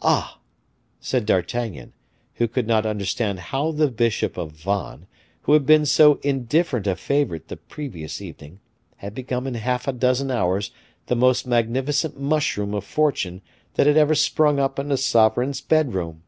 "Ah!" said D'Artagnan, who could not understand how the bishop of Vannes, who had been so indifferent a favorite the previous evening, had become in half a dozen hours the most magnificent mushroom of fortune that had ever sprung up in a sovereign's bedroom.